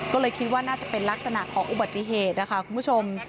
ก็เลยคิดว่าน่าจะเป็นลักษณะของอุบัติเหตุนะคะคุณผู้ชม